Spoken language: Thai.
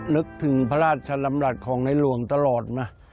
นึกถึงพระราชดำรัฐของในหลวงตลอดมา